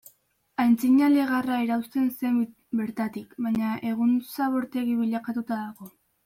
Antzina legarra erauzten zen bertatik, baina egun zabortegi bilakatuta dago.